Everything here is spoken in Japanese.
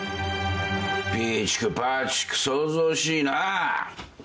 ピーチクパーチク騒々しいな。